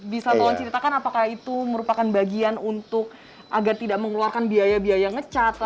bisa tolong ceritakan apakah itu merupakan bagian untuk agar tidak mengeluarkan biaya biaya ngecat